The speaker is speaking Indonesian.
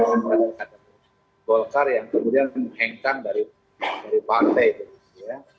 seorang ridwan kang emil di bandingkan golkar yang kemudian menghengkang dari partai itu